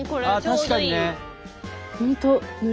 確かにね。